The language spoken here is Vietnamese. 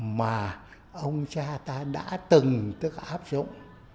mà ông cha ta đã từng tức áp dụng